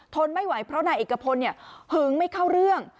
ทนไม่ไหวเพราะนายเอกพลหึงไม่เข้าเรื่อง